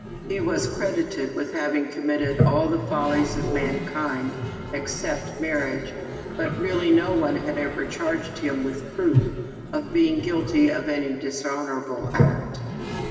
He was credited with having committed' all the follies of aLice ; or, The wages of sin. 15 mankind, excepting marriage, but, really, no one had ever charged him, with proof, of being guilty of any dishonorable act.